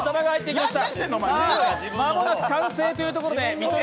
間もなく完成というところで見取り